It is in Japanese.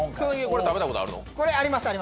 これ、食べたことあります